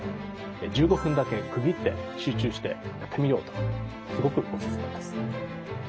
１５分だけ区切って集中してやってみようということがすごくオススメです。